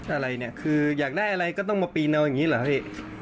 อะไรเนี่ยคืออยากได้อะไรก็ต้องมาปีนเอาอย่างนี้เหรอพี่